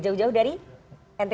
jauh jauh dari ntt